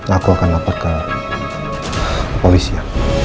aku akan laporkan ke polisi ya